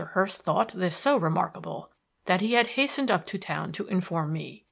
Hurst thought this so remarkable that he had hastened up to town to inform me.